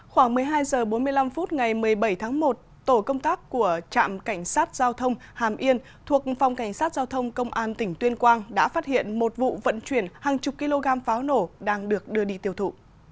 khoảng một mươi hai h bốn mươi năm phút ngày một mươi bảy tháng một tổ công tác của trạm cảnh sát giao thông hàm yên thuộc phòng cảnh sát giao thông công an tỉnh tuyên quang đã phát hiện một vụ vận chuyển hàng chục kg pháo nổ đang được đưa đi tiêu thụ